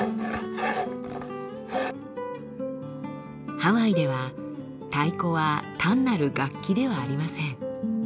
ハワイでは太鼓は単なる楽器ではありません。